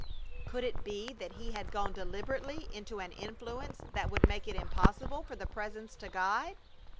Could it be that he had gone deliberately into an influence that would make it impossible for the Presence to guide?